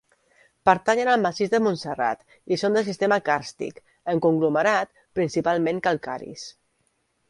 Pertanyen al massís de Montserrat i són de sistema càrstic, en conglomerat, principalment calcaris.